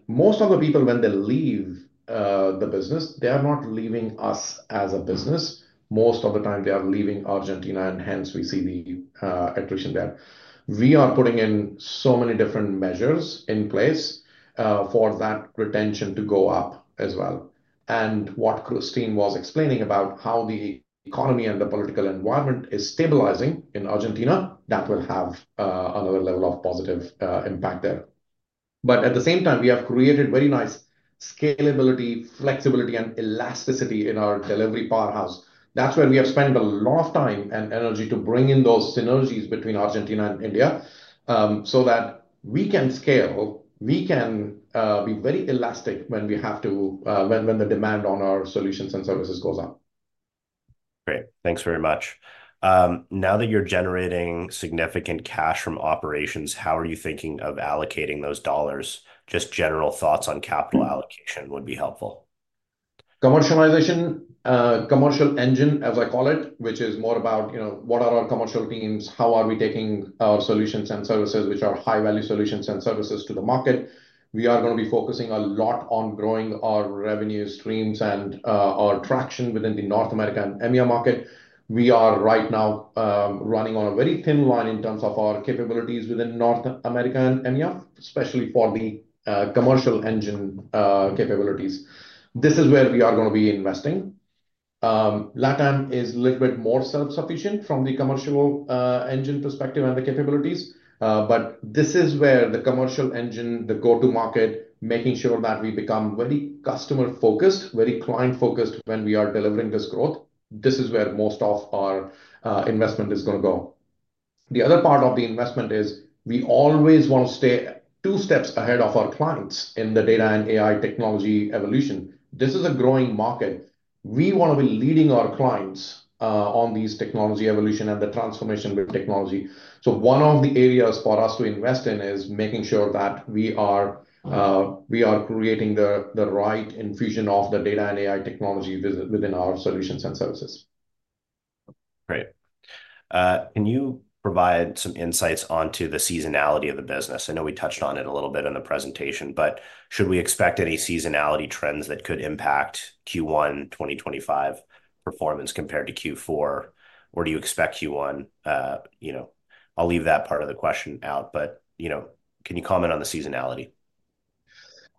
Most of the people, when they leave the business, they are not leaving us as a business. Most of the time, they are leaving Argentina, and hence we see the attrition there. We are putting in so many different measures in place for that retention to go up as well. What Christine was explaining about how the economy and the political environment is stabilizing in Argentina, that will have another level of positive impact there. At the same time, we have created very nice scalability, flexibility, and elasticity in our delivery powerhouse. That is where we have spent a lot of time and energy to bring in those synergies between Argentina and India so that we can scale, we can be very elastic when we have to, when the demand on our solutions and services goes up. Great. Thanks very much. Now that you're generating significant cash from operations, how are you thinking of allocating those dollars? Just general thoughts on capital allocation would be helpful. Commercialization, commercial engine, as I call it, which is more about what are our commercial teams, how are we taking our solutions and services, which are high-value solutions and services to the market. We are going to be focusing a lot on growing our revenue streams and our traction within the North America and EMEA market. We are right now running on a very thin line in terms of our capabilities within North America and EMEA, especially for the commercial engine capabilities. This is where we are going to be investing. LatAm is a little bit more self-sufficient from the commercial engine perspective and the capabilities. This is where the commercial engine, the go-to-market, making sure that we become very customer-focused, very client-focused when we are delivering this growth. This is where most of our investment is going to go. The other part of the investment is we always want to stay two steps ahead of our clients in the data and AI technology evolution. This is a growing market. We want to be leading our clients on these technology evolution and the transformation with technology. One of the areas for us to invest in is making sure that we are creating the right infusion of the data and AI technology within our solutions and services. Great. Can you provide some insights onto the seasonality of the business? I know we touched on it a little bit in the presentation, but should we expect any seasonality trends that could impact Q1 2025 performance compared to Q4? Or do you expect Q1? I'll leave that part of the question out, but can you comment on the seasonality?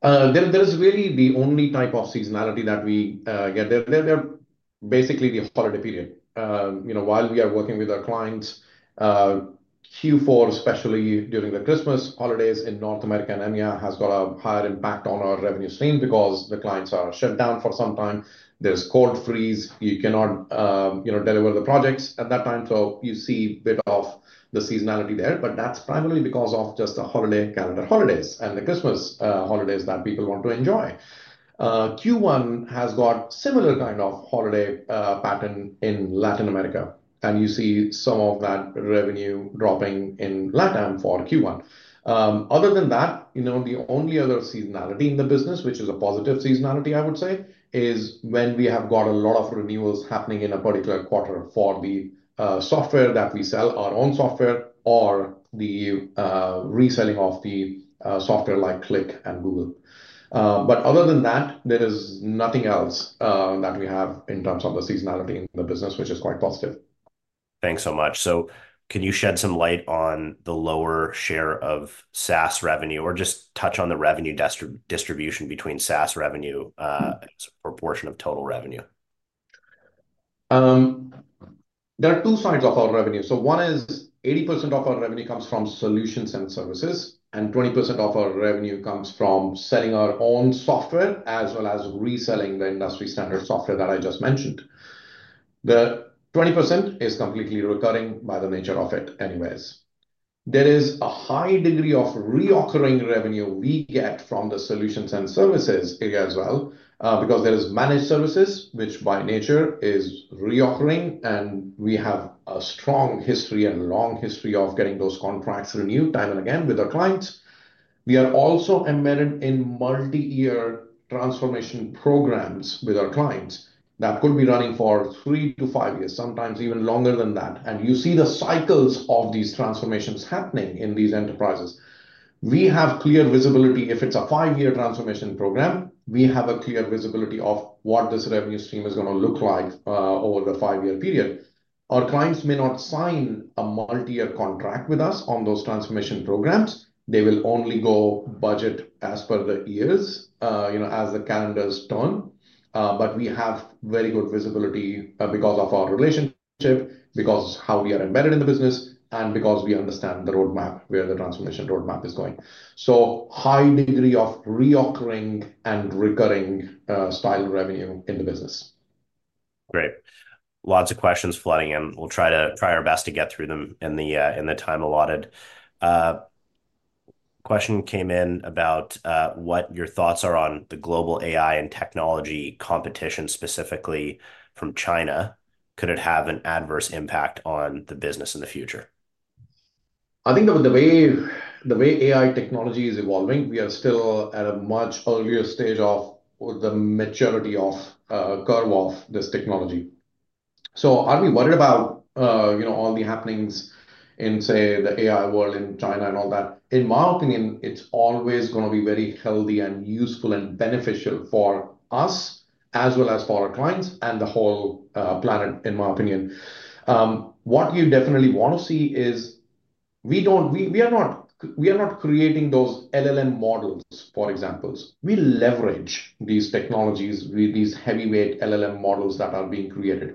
There is really the only type of seasonality that we get there. They're basically the holiday period. While we are working with our clients, Q4, especially during the Christmas holidays in North America and EMEA, has got a higher impact on our revenue stream because the clients are shut down for some time. There's code freeze. You cannot deliver the projects at that time. You see a bit of the seasonality there, but that's primarily because of just the holiday calendar, holidays and the Christmas holidays that people want to enjoy. Q1 has got a similar kind of holiday pattern in Latin America, and you see some of that revenue dropping in LatAm for Q1. Other than that, the only other seasonality in the business, which is a positive seasonality, I would say, is when we have got a lot of renewals happening in a particular quarter for the software that we sell, our own software or the reselling of the software like Qlik and Google. Other than that, there is nothing else that we have in terms of the seasonality in the business, which is quite positive. Thanks so much. Can you shed some light on the lower share of SaaS revenue or just touch on the revenue distribution between SaaS revenue as a proportion of total revenue? There are two sides of our revenue. Eighty percent of our revenue comes from solutions and services, and 20% of our revenue comes from selling our own software as well as reselling the industry-standard software that I just mentioned. The 20% is completely recurring by the nature of it anyways. There is a high degree of recurring revenue we get from the solutions and services area as well because there are managed services, which by nature is recurring, and we have a strong history and long history of getting those contracts renewed time and again with our clients. We are also embedded in multi-year transformation programs with our clients that could be running for three to five years, sometimes even longer than that. You see the cycles of these transformations happening in these enterprises. We have clear visibility. If it's a five-year transformation program, we have a clear visibility of what this revenue stream is going to look like over the five-year period. Our clients may not sign a multi-year contract with us on those transformation programs. They will only go budget as per the years as the calendars turn. We have very good visibility because of our relationship, because of how we are embedded in the business, and because we understand the roadmap, where the transformation roadmap is going. High degree of reoccurring and recurring style revenue in the business. Great. Lots of questions flooding in. We'll try our best to get through them in the time allotted. Question came in about what your thoughts are on the global AI and technology competition specifically from China. Could it have an adverse impact on the business in the future? I think the way AI technology is evolving, we are still at a much earlier stage of the maturity curve of this technology. Are we worried about all the happenings in, say, the AI world in China and all that? In my opinion, it is always going to be very healthy and useful and beneficial for us as well as for our clients and the whole planet, in my opinion. What you definitely want to see is we are not creating those LLM models, for example. We leverage these technologies, these heavyweight LLM models that are being created.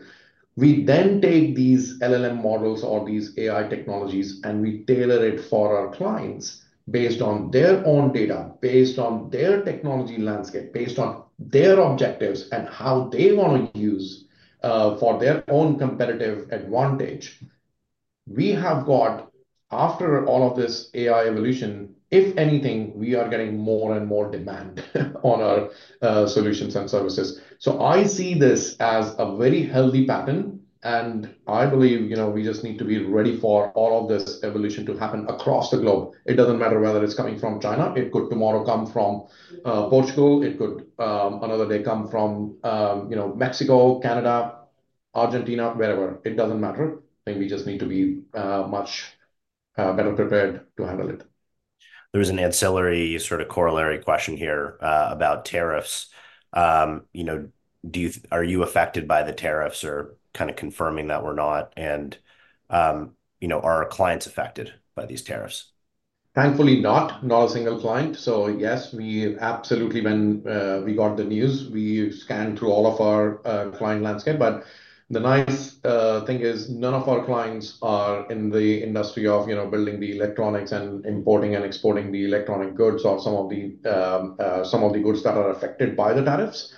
We then take these LLM models or these AI technologies, and we tailor it for our clients based on their own data, based on their technology landscape, based on their objectives and how they want to use for their own competitive advantage. We have got, after all of this AI evolution, if anything, we are getting more and more demand on our solutions and services. I see this as a very healthy pattern, and I believe we just need to be ready for all of this evolution to happen across the globe. It does not matter whether it is coming from China. It could tomorrow come from Portugal. It could another day come from Mexico, Canada, Argentina, wherever. It does not matter. I think we just need to be much better prepared to handle it. There is an ancillary, sort of corollary question here about tariffs. Are you affected by the tariffs or kind of confirming that we are not? And are our clients affected by these tariffs? Thankfully, not. Not a single client. Yes, we absolutely, when we got the news, we scanned through all of our client landscape. The nice thing is none of our clients are in the industry of building the electronics and importing and exporting the electronic goods or some of the goods that are affected by the tariffs.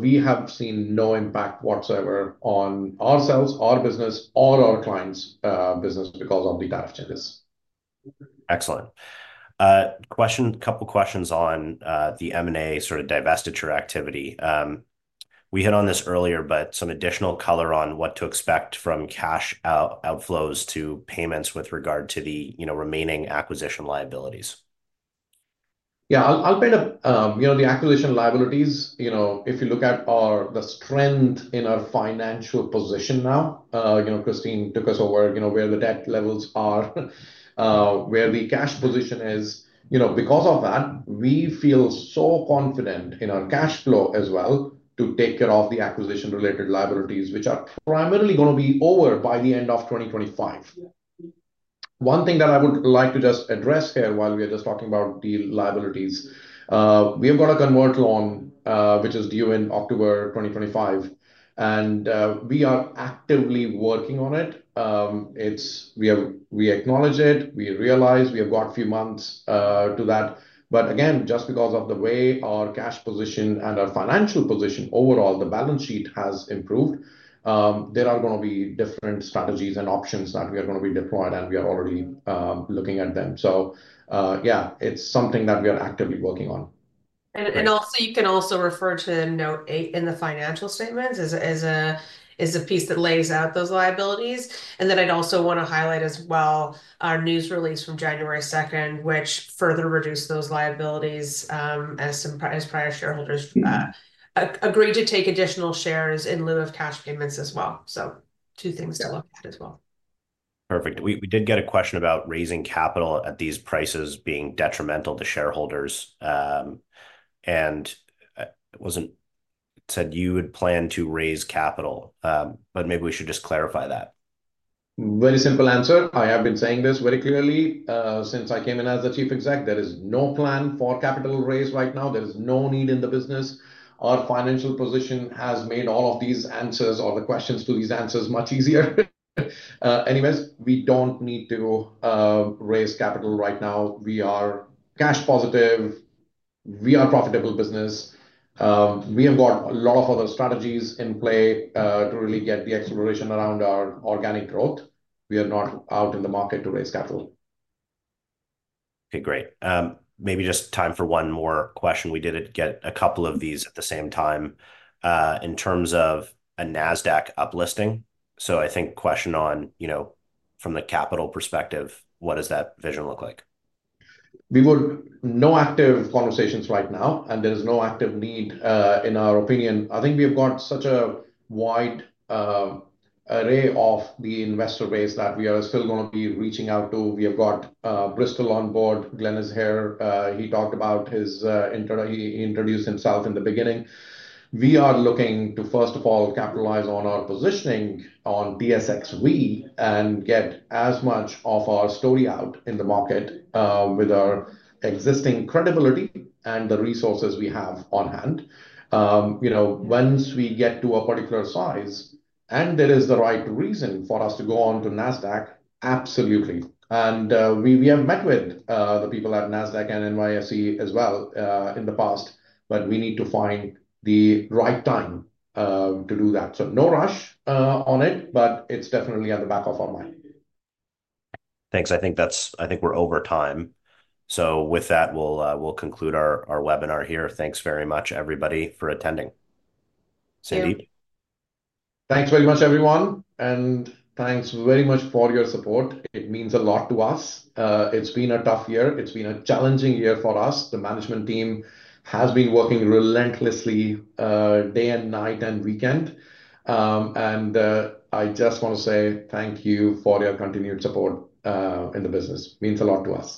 We have seen no impact whatsoever on ourselves, our business, or our clients' business because of the tariff changes. Excellent. A couple of questions on the M&A sort of divestiture activity. We hit on this earlier, but some additional color on what to expect from cash outflows to payments with regard to the remaining acquisition liabilities. Yeah, I'll paint up the acquisition liabilities. If you look at the strength in our financial position now, Christine took us over where the debt levels are, where the cash position is. Because of that, we feel so confident in our cash flow as well to take care of the acquisition-related liabilities, which are primarily going to be over by the end of 2025. One thing that I would like to just address here while we are just talking about the liabilities, we have got a convertible loan, which is due in October 2025, and we are actively working on it. We acknowledge it. We realize we have got a few months to that. Again, just because of the way our cash position and our financial position overall, the balance sheet has improved, there are going to be different strategies and options that we are going to be deployed, and we are already looking at them. Yeah, it's something that we are actively working on. You can also refer to the note in the financial statements as a piece that lays out those liabilities. I also want to highlight as well our news release from January 2nd, which further reduced those liabilities as prior shareholders agreed to take additional shares in lieu of cash payments as well. Two things to look at as well. Perfect. We did get a question about raising capital at these prices being detrimental to shareholders. It said you would plan to raise capital, but maybe we should just clarify that. Very simple answer. I have been saying this very clearly since I came in as the Chief Executive Officer. There is no plan for capital raise right now. There is no need in the business. Our financial position has made all of these answers or the questions to these answers much easier. Anyways, we do not need to raise capital right now. We are cash positive. We are a profitable business. We have got a lot of other strategies in play to really get the acceleration around our organic growth. We are not out in the market to raise capital. Okay, great. Maybe just time for one more question. We did get a couple of these at the same time in terms of a Nasdaq uplisting. I think question on from the capital perspective, what does that vision look like? No active conversations right now, and there is no active need in our opinion. I think we have got such a wide array of the investor base that we are still going to be reaching out to. We have got Bristol on board. Glen is here. He talked about his he introduced himself in the beginning. We are looking to, first of all, capitalize on our positioning on TSXV and get as much of our story out in the market with our existing credibility and the resources we have on hand. Once we get to a particular size and there is the right reason for us to go on to Nasdaq, absolutely. We have met with the people at Nasdaq and NYSE as well in the past, but we need to find the right time to do that. No rush on it, but it is definitely at the back of our mind. Thanks. I think we are over time. With that, we will conclude our webinar here. Thanks very much, everybody, for attending. Sandeep? Thanks very much, everyone. Thanks very much for your support. It means a lot to us. It has been a tough year. It has been a challenging year for us. The management team has been working relentlessly day and night and weekend. I just want to say thank you for your continued support in the business. Means a lot to us.